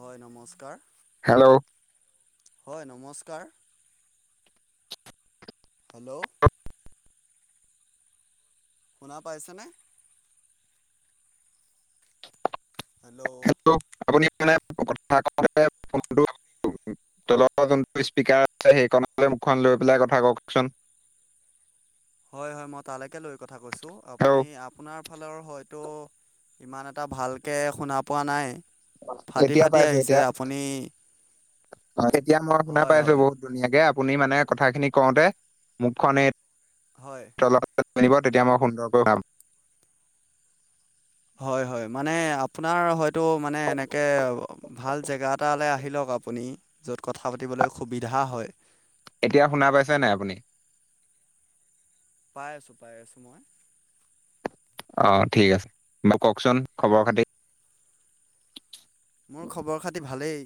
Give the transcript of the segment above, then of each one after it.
হয় নমস্কাৰ', হেল্ল', হয় নমস্কাৰ', হেল্ল', শুনা পাইছেনে? হেল্ল', আপুনি মানে কথা পাতে ফোনটো উম', তলৰ যোনটো স্পীকাৰ আছে সেইকণতে মুখখন লৈ পেলাই কথা কওঁকচোন', হয়', - হয়', মই তালৈকে লৈ কথা কৈছোঁ হেল্ল' আপুনি আপ', আপোনাৰ ফালৰ হয়তো, ইমান এটা ভালকৈ শুনা পোৱা নাই', অ', ফাটি এতিয়া ফাটি পাইছোঁ আহিছে এতিয়া, আপুনি অ', এতিয়া মই শুনা হয় পাইছোঁ হয় বহুত', ধুনীয়াকে আপুনি মানে কথাখিনি কওঁতে মুখখন এ', হয়', পিন্ধিব তেতিয়া মই সুন্দৰকৈ ভাম', হয়', - হয়', মানে আপোনাৰ হয়তো মানে এনেকে অহ', ভাল জেগা এটালৈ আহি লওঁক', আপুনি, য'ত কথা পাতিবলৈ সুবিধা হয়', এতিয়া শুনা পাইছে নাই আপুনি? পাই আছোঁ - পাই আছোঁ মই', অহ', ঠিক আছে, মোক কওঁকচোন খবৰ খাতি', মোৰ খবৰ খাতি ভালেই,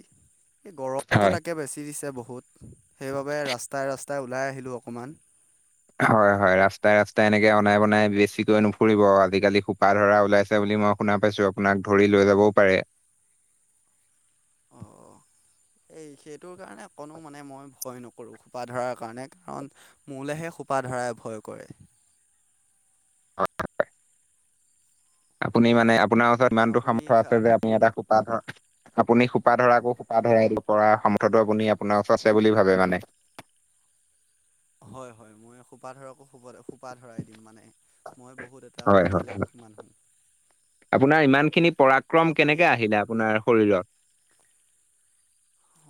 এই গৰমটো হয় তাকে বেছি দিছে বহুত', সেইবাবে ৰাস্তাই - ৰাস্তাই ওলাই আহিলোঁ অকমান', হয়', - হয়', ৰাস্তাই - ৰাস্তাই এনেকে অনাই-বনাই বেছিকৈ নুফুৰিব আজিকালি সোপা ধৰা ওলাইছে বুলি মই', শুনা পাইছোঁ, আপোনাক ধৰি লৈ যাবও পাৰে', অঁ', - অঁহ', এই সেইটোৰ কাৰণে অকণো মানে মই ভয় নকৰোঁ সোপা ধৰাৰ কাৰণে, কাৰণ', মোৰলেহে সোপা ধৰাই ভয় কৰে', আপুনি মানে আপোনাৰ ওচৰত ইমানটো আপুনি সামৰ্থ্য খা আছে যে আপুনি এটা সোপা ধৰ', আপুনি সোপা ধৰাকৌ সোপা ধৰাই দিব‌ পৰা সমৰ্থতো আপুনি আপোনাৰ ওচৰত আছে বুলি ভাবে মানে ', হয়', - হয়', মই সোপা ধৰাকো সোব - সোপা ধৰাই দিম মানে', মই বহুত এটা হয় মানে হয় হয়। বেলেগ মানুহ', আপোনাৰ ইমান খিনি পৰাক্ৰম আপুনি কেনেকে অ' আহিলে আপোনাৰ শৰীৰত',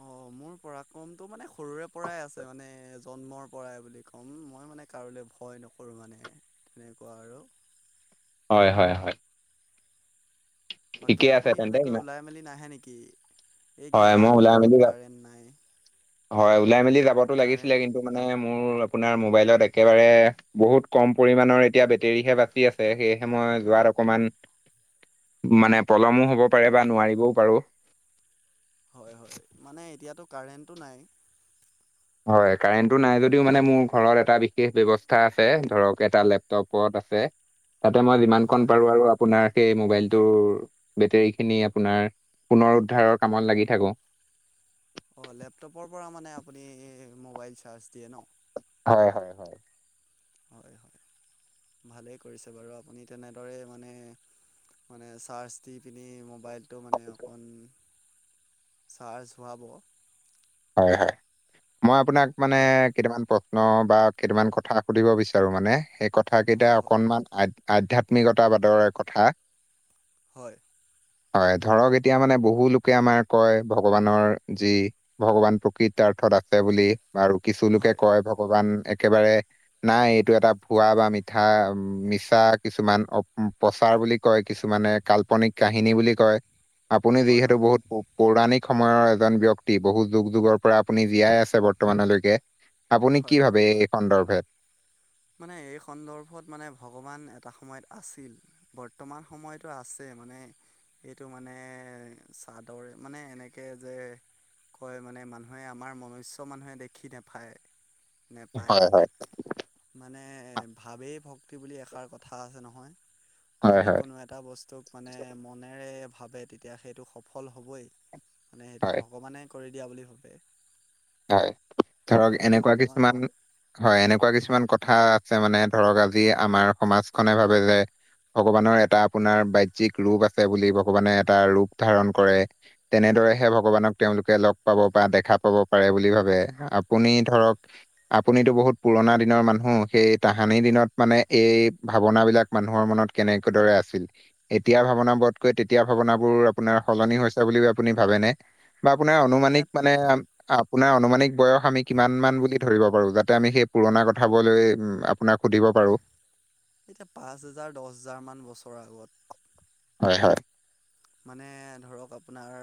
অ', মোৰ পৰাক্ৰমতটো মানে সৰুৰে পৰাই আছে মানে জ', জন্মৰ পৰাই বুলি ক'ম মই মানে কাৰোলে ভয় নকৰোঁ মানে তেনেকুৱা আৰু', হয়', - হয়', -হয়', বাকী ঠিকে আছে আপুনি তেন্তে তেনেকৈ ইমান ওলাই মেলি নাহে নেকি এই হয় গেলা মই ওলাই মেলি গৰমত যাম। কাৰেণ্ট নাই', হয়', ওলাই মেলি যাবতো লাগিছিলে কাৰেণ্ট কিন্তু মানে মোৰ আপোনাৰ মোবাইলত একেবাৰে', বহুত কম পৰিমানৰ এতিয়া বেটেৰীহে বাকি আছে সেয়েহে মই যোৱাত অকমান', মানে পলমো হ'ব পাৰে বা হয় নোৱাৰিবও পাৰোঁ', হয়', - হয়', মানে এতিয়াতো কাৰেণ্টো নাই', হয়', কাৰেণ্টো নাই যদিও মানে মোৰ ঘৰত এটা বিশেষ ব্যৱস্থা আছে ধৰক এটা লেপ', লেপটপ আছে তাতে মই যিমান হয় খন হয় পাৰোঁ আৰু আপ', আপোনাৰ সেই মোবাইলটো বেটেৰী খিনি আপোনাৰ পুনৰ উদ্ধাৰৰ কামত লাগি থাকো', অ', লেপটপৰ পৰা মানে আপুনি মোবাইল চাৰ্জ দিয়ে ন', হয়, হয়। হয় হয়, হয়। ভালেই কৰিছে বাৰু আপুনি তেনেদৰে মানে মানে চাৰ্জ দি পিনি মোবাইল টো মানে অকণ চাৰ্জ হোৱাব। হয়, হয়। মই আপোনাক মানে বা কেইটামান প ন বা কেইটামান কথা সুধিব বিচাৰো মানে। সেই কথা কেইটা হয় হয় অকণমান আইত আধ্যাত্মিকতাবাদৰে কথা। হয়। হয় ধৰক এতিয়া মানে বহু লোকে আমাৰ কয় ভগৱানৰ যি ভগৱান প্ৰকৃতাৰ্থত আছে বুলি বাৰু কিছু লোকে হয় কয় ভগৱান একেবাৰে নাই এইটো এটা ভোৱা বা মিঠা অম মিছা কিছুমান অ প উম প্ৰচাৰ বুলি কয়, কিছুমানে কাল্পনিক কাহিনী বুলি কয়। আপুনি হয় যিহেতু হয় বহুত পৌ পৌৰাণিক সময়ৰ এজন ব্যক্তি। বহু যুগ যুগৰ পৰা আপুনি জীয়াই আছে বৰ্তমানলৈকে। আপুনি কি হয় ভাবে হয় এই সন্দৰ্ভেত? মানে এই সন্দৰ্ভত মানে ভগৱান এটা সময়ত আছিল। বৰ্তমান সময়তো আছে মানে সেইটো মানে এ চাটৰ মানে এনেকে যে কয় মানে মানুহে আমাৰ মনুষ্য মানুহে দেখি নেফায়। হয়, হয়। মানে ভাৱেই ভক্তি বুলি এষাৰ কথা আছে নহয়। হয়, যদি হয়, কোনো এটা বস্তুক মানে মনেৰে ভাবে তেতিয়া সেইটো সফল হ'বই। মানে সেইটো হয়, ভগৱানে কৰি দিয়া বুলি ভাবে। হয়, ধৰক আৰু এনেকুৱা ভগৱান কিছুমান, হয় এনেকুৱা হয় কিছুমান কথা আছে মানে ধৰক আজি আমাৰ সমাজখনে ভাবে যে ভগৱানৰ এটা আপোনাৰ বাহ্যিক ৰূপ আছে বুলি, ভগৱানে এটা ৰূপ ধাৰণ কৰে। তেনেদৰে হে ভগৱানক তেওঁলোকে লগ পাব বা দেখা পাব পাৰে বুলি ভাবে। আপুনি হয় ধৰক আপুনিটো বহুত পুৰণা দিনৰ মানুহ। সেই তাহানি দিনত মানে এই ভাৱনা বিলাক মানুহৰ মনত কেনেক দৰে আছিল? এতিয়া ভাৱনাবোৱতকৈ তেতিয়া ভাৱনাবোৰ আপোনাৰ সলনি হৈছে বুলি আপুনি ভাবেনে? বা আপোনাৰ এতিয়া অনুমানিক মানে আপোনাৰ অমানিক বয়স আমি কিমান মান বুলি ধৰিব পাৰো যাতে আমি সেই পুৰণা কথাবোৱলৈ আপোনাক সুধিব পাৰো। এতিয়া পাঁচ হেজাৰ, দছ হেজাৰমান বছৰৰ আগত। হয়, হয়। মানে ধৰক আপোনাৰ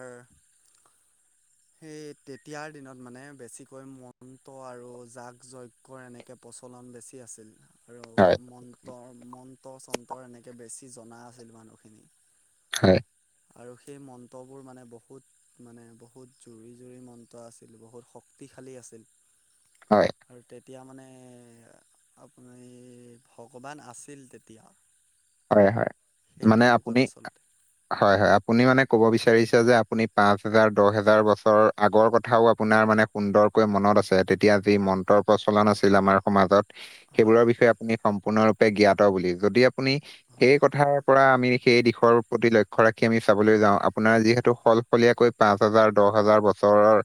সেই তেতিয়াৰ দিনত মানে বেছিকৈ মন্ত্ৰ আৰু জাগ যৈগ কৰা এনেকৈ প্ৰচলন বেছি আছিল। আৰু হয়, মন্ত্ৰ মন্ত্ৰ চন্তৰ এনেকৈ বেছি জনা আছিল মানুহখিনি। হয়। আৰু সেই মন্ত্ৰবোৰ মানে বহুত মানে বহুত জুৰি জুৰি মন্ত্ৰ আছিল, বহুত শক্তিশালী আছিল। হয়। আৰু তেতিয়া মানে আপুনি ভগৱান আছিল তেতিয়া। হয়, হয়। সেইটো মানে যুগত আপুনি আচলতে হয়, হয়। আপুনি মানে ক'ব বিচাৰিছে যে আপুনি পাঁচ হাজাৰ, দহ হেজাৰ বছৰ আগৰ কথাও আপোনাৰ মানে সুন্দৰকৈ মনত আছে তেতিয়া যি মন্ত্ৰ প্ৰচলন আছিল আমাৰ সমাজত। হয় সেইবোৰৰ হয় বিষয়ে আপুনি সম্পূৰ্ণৰূপে জ্ঞাত বুলি। যদি আপুনি হয় সেই কথা পৰা আমি সেই দিশৰ প্ৰতি লক্ষ্য ৰাখি আমি চাবলৈ যাওঁ আপোনাৰ যিহেতু সলফলীয়াকৈ পাঁচ হাজাৰ, দহ হাজাৰ বছৰৰ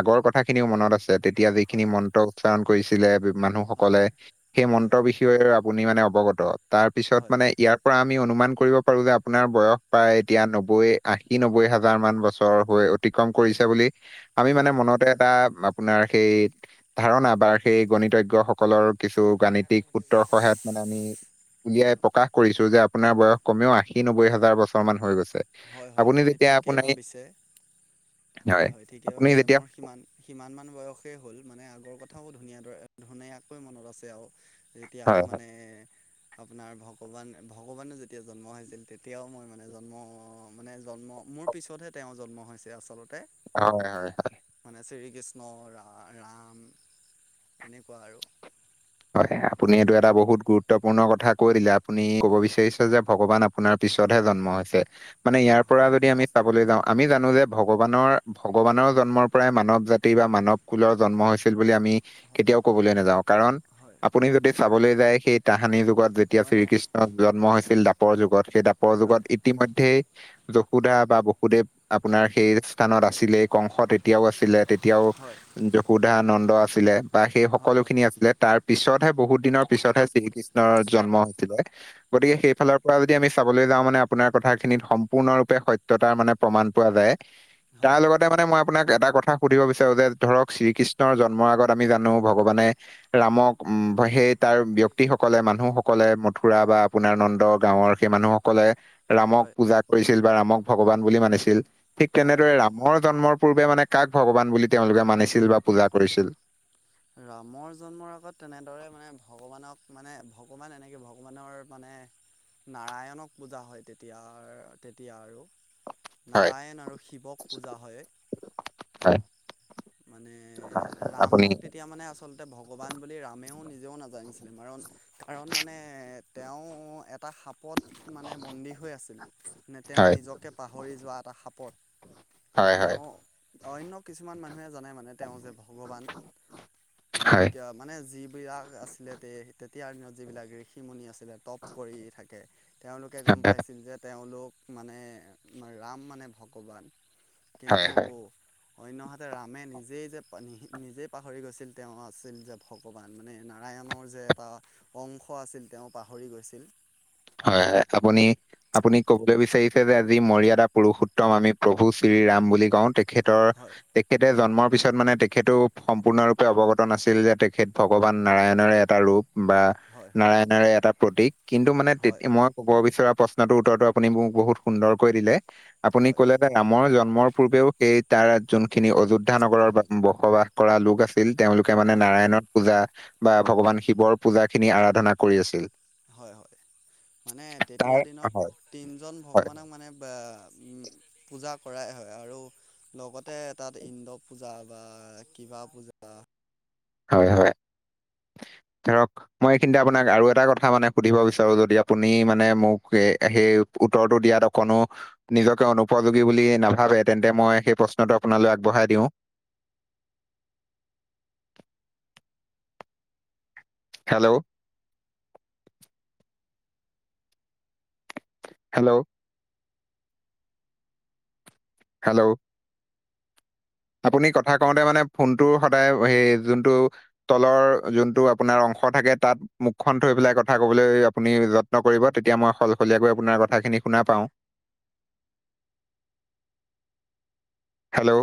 আগৰ কথাখিনিও মনত আছে তেতিয়া যিখিনি হয় মন্ত্ৰ উচ্চাৰণ কৰিছিলে হয় মানুহসকলে হয় সেই হয় মন্ত্ৰৰ বিষ- আপুনি মানে অৱগত তাৰ পিছত হয় মানে ইয়াক- পৰা আমি অনুমান কৰিব পাৰো যে আপোনাৰ বয়স প্ৰায় এতিয়া নব্বৈ আশী নব্বৈ হাজাৰ মান বছৰ হৈ। অতিক্ৰম কৰিছে বুলি- আমি মানে হয় মনতে হয় এটা আপোনাৰ সেই ধাৰণা বা সেই গণিতজ্ঞই সক- সকলৰ কিছু গাণিতিক সূত্ৰৰ সহায়ত মানে আমি উলিয়াই। কৰিছো যে আপোনাৰ বয়স কমেও আশী নব্বৈ হাজাৰ বছৰ মান হৈ গৈছে। হয় হয় আপুনি যেতিয়া ঠিকেই আপোনাৰ ভাবিছে হয় হয় ঠিকেই আপুনি ভাবিছে যেতিয়া মোৰ সিমান- সিমান মান বয়সেই হ'ল মানে আগৰ কথাও ধুনীয়া দৰে ধুনীয়াকৈ মনত আছে আৰু। যেতিয়া হয়, হয়, মানে? আপোনাৰ ভগৱান ভগৱানে যেতিয়া জন্ম হৈছিল তেতিয়াও মই মানে জন্ম অ মানে জন্ম মোৰ পিছতহে তেওঁ জন্ম হৈছে আচলতে- হয় হয় হয়। মানে শ্ৰীকৃষ্ণ ৰা ৰাম এনেকুৱা আৰু- হয় আপুনি এইটো এটা বহুত গুৰুত্বপূৰ্ণ কথা কৈ দিলে আপুনি কব বিচাৰিছে যে ভগৱান- আপোনাৰ পিছতহে জন্ম হৈছে, মানে ইয়াৰ পৰা হয় হয় যদি আমি- চাবলৈ যাওঁ আমি জানো যে ভগৱানৰ ভগৱানৰ জন্মৰ পৰাই মানৱ জাতি বা মানৱ- কুলৰ জন্ম হৈছিল বুলি আমি। হয় কেতিয়াও কবলৈ নাযাও, কাৰণ হয় আপুনি যদি চাবলৈ যায় সেই তাহানিৰ যুগত যেতিয়া মানে শ্ৰীকৃষ্ণ- জন্ম হৈছিল দাপৰ যুগত সেই দাপৰ যুগত হয় ই- ইতিমধ্যে যশোধা বা বসুদেৱ আপোনাৰ সেই স্থানত আছিলে। কংস তেতিয়াও আছিলে তেতিয়াও হয় যশোদা নন্দ আছিলে। বা সেই হয় হয় সকলোখিনি আছিলে তাৰ- পিছতহে বহুত দিনৰ পিছতহে শ্ৰীকৃষ্ণৰ পিছত জন্ম হৈছিলে গতিকে হয় সেই। ফালৰ পৰা যদি আমি চাবলৈ যাওঁ মানে আপোনাৰ কথাখিনিত সম্পূৰ্ণৰূপে সত্যতাৰ মানে প্ৰমাণ পোৱা যায়। হয় তাৰ হয় লগতে মানে মই আপোনাক এটা কথা- সুধিব বিচাৰো যে, ধৰক শ্ৰীকৃষ্ণৰ জন্মৰ আগত আমি জানো ভগৱানে ৰামক উ সেই- তাৰ ব্যক্তি সকলে মানুহসকলে মথুৰা বা আপোনাৰ নন্দ গাঁৱৰ সেই মানুহসকলে- ৰামক হয় পূজা কৰিছিল বা ৰামক ভগৱান বুলি মানিছিল, ঠিক হয় তেনেদৰে হয় ৰাম- মই জন্মৰ পূৰ্বে মানে কাক ভগৱান বুলি তেওঁলোকে মানিছিল বা পূজা কৰিছিল? ৰামৰ জন্মৰ আগত তেনেদৰে মানে ভগৱানক- মানে ভগৱান এনেকৈ ভগৱানৰ মানে- নাৰায়ণক পূজা হয় তেতিয়া তেতিয়া আৰু। হয় নাৰায়ণ আৰু শিৱক পূজা হয়। হয় মানে আপুনি ৰামক তে- তেতিয়া মানে আচলতে ভগৱান বুলি ৰামেও নিজেও নাজানিছিলে, কাৰণ- কাৰণ মানে তেওঁ এটা সাপত- মানে বন্দী হৈ আছিল, মানে তেওঁ হয় নিজকে পাহৰি যোৱা এটা সাপত- হয় হয় হয় তেওঁ অন্য কিছুমান মানুহে জনাই মানে- মানে তেওঁ যে ভগৱান মানে- হয় মানে যিবিলাক আছিলে তে তেতিয়াৰ দিনত যিবিলাক ঋষিমুনি আছিল। টপ কৰি থাকে, তেওঁলোকে গম পাইছিল যে তেওঁলোক- মানে ৰাম মানে ভগৱান, হয় হয় কিন্তু হয় অন্যহাতে ৰাম- ৰামে নিজেই যে নি নিজেই পাহৰি গৈছিল তেওঁ আছিল যে ভগৱান মানে নাৰায়ণৰ যে এটা- অংশ আছিল তেওঁ পাহৰি গৈছিল। হয় হয় আপুনি- আপুনি কব বিচাৰিছে যে আজি মৰিয়াদা পুৰুষোত্তম আমি প্ৰভু শ্ৰীৰাম বুলি কওঁ। খেতৰ- হয় তেখেতে জন্মৰ পিছত মানে তেখেতও সম্পূৰ্ণৰূপে অৱগত নাছিল যে তেখেত ভগৱান নাৰায়ণৰে এটা ৰূপ। বা হয় হয় নাৰায়ণাৰে এটা প্ৰতীক কিন্তু মানে তেতে হয় মই ক'ব বিচৰা প্ৰশ্নটোৰ উত্তৰটো আপুনি মোক বহুত সুন্দৰকৈ দিলে আপুনি হয় ক'লে তে নামৰ জন্মৰ পূৰ্বেও সেই তাৰ যোনখিনি অযোধ্যা নগৰৰ বসবাস কৰা লোক আছে ছিল তেওঁলোকে মানে হয় নাৰায়ণত পূজা বা ভগৱান শিৱৰ পূজা খিনি আৰাধনা কৰি আছিল। হয়-হয় মানে তাৰ তেতিয়াৰ হয়, দিনত তিনিজন হয়। ভগৱানক মানে বা উম, পূজা কৰাই হয় আৰু লগতে তাত ইন্দ্ৰ পূজা বা কিবা পূজা হয় - হয়। ধৰক মই এইখিনিতে আপোনাক আৰু এটা কথা মানে সুধিব বিচাৰো যদি আপুনি মানে মোক এ সেই উত্তৰটো দিয়াত অকণো নিজকে অনুপযোগী বুলি নাভাবে তেন্তে মই সেই প্ৰশ্নটো আপোনালৈ আগবঢ়াই দিওঁ। হেল্ল', হেল্ল', হেল্ল', আপুনি কথা কওঁতে মানে ফোনটো সদায় সেই যোনটো তলৰ যোনটো আপোনাৰ অংশ থাকে তাত মুখখন থৈ পেলাই কথা কবলৈ আপুনি যত্ন কৰিব তেতিয়া মই সলসলীয়াকৈ আপোনাৰ কথাখিনি শুনা পাওঁ। হেল্ল',